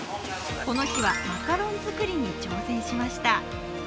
この日はマカロン作りに挑戦しました。